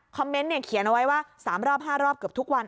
คอมเม้นต์เขียนไว้ว่าสามรอบห้ารอบกว่าทุกวัน